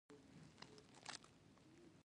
په دنیا کې د پیسو لپاره هر څه مه قربانوه.